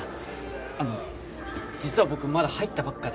あの実は僕まだ入ったばっかで。